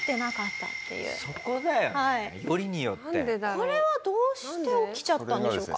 これはどうして起きちゃったんでしょうか？